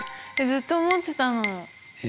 ずっと思ってたの。